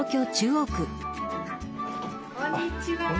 こんにちは。